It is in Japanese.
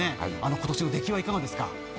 今年の出来はいかがですか？